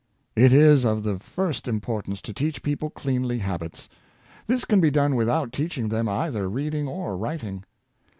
It is of the first importance to teach people cleanly habits. This can be done without teaching them either reading or writing.